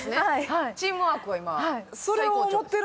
チームワークは今最高潮。